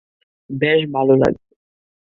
বেশ ভাল লেগেছে।